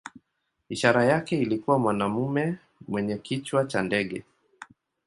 Ishara yake ilikuwa mwanamume mwenye kichwa cha ndege.